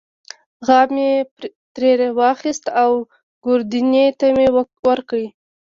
غاب مې ترې واخیست او ګوردیني ته مې ورکړ.